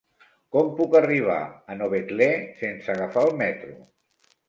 Com puc arribar a Novetlè sense agafar el metro?